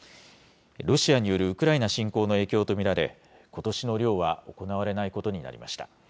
ロシアによるウクライナ侵攻の影響と見られ、ことしの漁は行われないことになりました。